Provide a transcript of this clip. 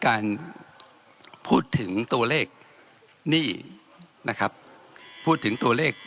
การพูดถึงตัวเลขหนี้นะครับพูดถึงตัวเลข